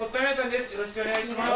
よろしくお願いします。